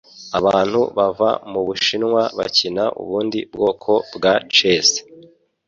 Abantu bava mubushinwa bakina ubundi bwoko bwa chess.